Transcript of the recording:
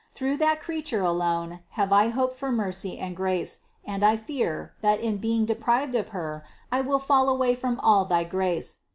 Through that Creature alone have I hoped for mercy and grace* and I fear, that in being deprived of Her, I will fall away from all thy grace.